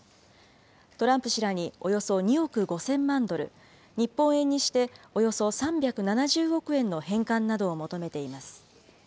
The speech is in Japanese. トランプ氏らにおよそ２億５０００万ドル、日本円にしておよそ３７０億円の返還などを求めています。